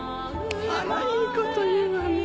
あらいいこと言うわね